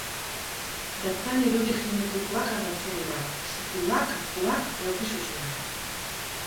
Bertan irudi geometrikoak agertzen dira: zirkuluak, arkuak, laukizuzenak.